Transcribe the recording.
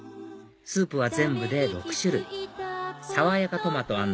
スープは全部で６種類爽やかトマト